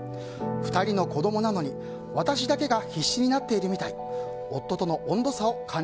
２人の子供なのに私だけが必死になっているみたい。